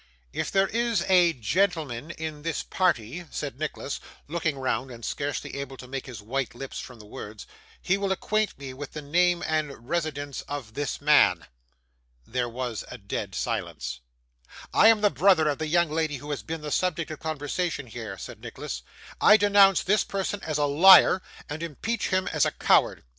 'If there is a gentleman in this party,' said Nicholas, looking round and scarcely able to make his white lips form the words, 'he will acquaint me with the name and residence of this man.' There was a dead silence. 'I am the brother of the young lady who has been the subject of conversation here,' said Nicholas. 'I denounce this person as a liar, and impeach him as a coward.